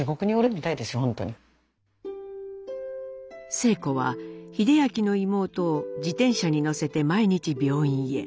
晴子は英明の妹を自転車に乗せて毎日病院へ。